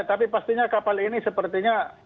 tapi pastinya kapal ini sepertinya